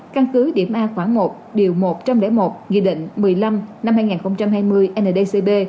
căn cứ điểm a khoảng một điều một trăm linh một nghị định một mươi năm năm hai nghìn hai mươi ndcb